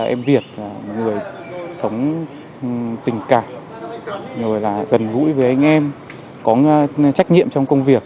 em việt là người sống tình cảm rồi là gần gũi với anh em có trách nhiệm trong công việc